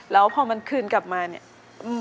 แล้วพอมันคืนกลับมาเนี่ย